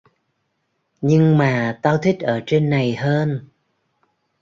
Nhưng mà tao thích ở trên này hơn